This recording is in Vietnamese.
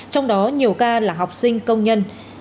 trong đó nhiều ca là học sinh công nhân